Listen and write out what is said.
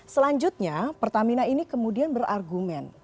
selanjutnya pertamina ini kemudian berargumen